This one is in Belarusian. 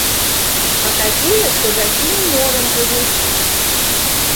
А такія, што за сінім морам жывуць.